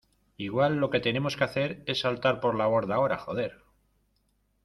igual lo que tenemos que hacer es saltar por la borda ahora, joder.